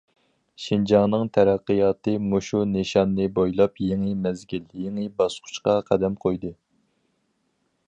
شىنجاڭنىڭ تەرەققىياتى مۇشۇ نىشاننى بويلاپ يېڭى مەزگىل، يېڭى باسقۇچقا قەدەم قويدى.